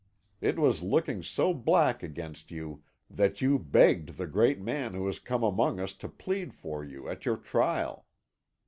It was looking so black against you that you begged the great man who has come among us to plead for you at your trial.